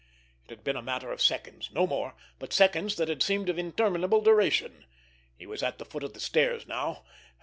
It had been a matter of seconds, no more; but seconds that had seemed of interminable duration. He was at the foot of the stairs now.